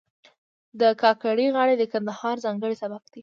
د کاکړۍ غاړې د کندهار ځانګړی سبک دی.